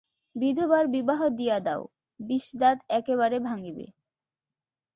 বিধবার বিবাহ দিয়া দাও–বিষদাঁত একেবারে ভাঙিবে।